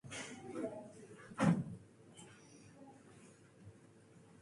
The residential area near the top is known locally as "Little Switzerland".